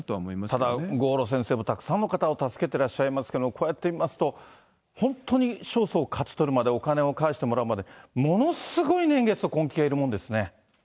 ただ郷路先生もたくさんの方を助けてらっしゃいますけど、こうやって見ますと、本当に勝訴を勝ち取るまで、お金を返してもらうまで、ものすごい年月と根気がいるもんですね。